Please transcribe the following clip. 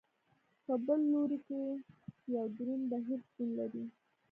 په بل لوري کې یو دروند بهیر شتون لري.